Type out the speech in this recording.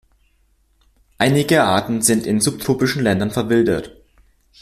Einige Arten sind in subtropischen Ländern verwildert.